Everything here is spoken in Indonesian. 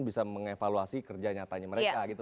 bisa mengevaluasi kerja nyatanya mereka gitu